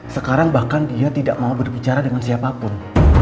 sekarang bahkan dia tidak mau berbicara dengan siapapun